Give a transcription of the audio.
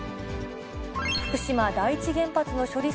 福島第一原発の処理